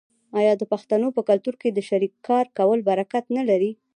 آیا د پښتنو په کلتور کې د شریک کار کول برکت نلري؟